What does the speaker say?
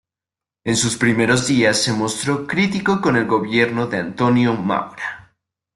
En sus primeros días se mostró crítico con el gobierno de Antonio Maura.